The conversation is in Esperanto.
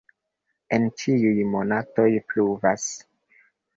En ĉiuj monatoj pluvas.